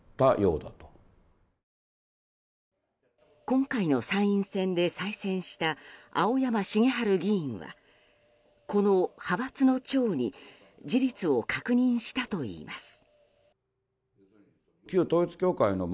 今回の参院選で再選した青山繁晴議員はこの派閥の長に事実を確認したといいます。